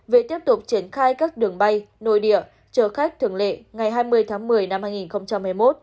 về tiếp tục triển khai các đường bay nội địa chờ khách thường lệ ngày hai mươi tháng một mươi năm hai nghìn hai mươi một